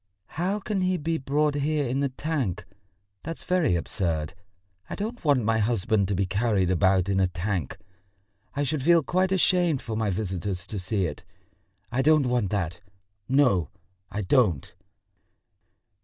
"How can he be brought here in the tank? That's very absurd. I don't want my husband to be carried about in a tank. I should feel quite ashamed for my visitors to see it.... I don't want that, no, I don't."